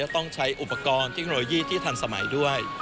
ต้องใช้อุปกรณ์เทคโนโลยีที่ทันสมัยด้วย